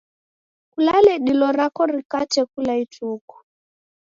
Kulale dilo rako rikate kula ituku.